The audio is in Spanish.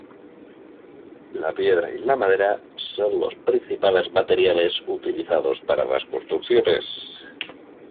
La piedra y la madera son los principales materiales utilizados para las construcciones.